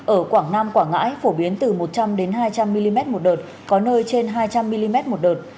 ở quảng nam quảng ngãi phổ biến từ một trăm linh hai trăm linh mm một đợt có nơi trên hai trăm linh mm một đợt